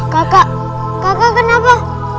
kakak kakak kenapa